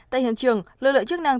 tại hiện trường lực lượng chức năng